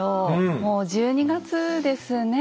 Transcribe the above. もう１２月ですねえ。